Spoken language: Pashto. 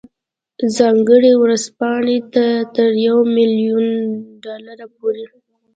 ځانګړې ورځپاڼې ته تر یو میلیون ډالرو پورې.